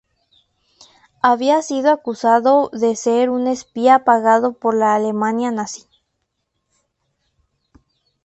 Había sido acusado de ser un espía pagado por la Alemania nazi.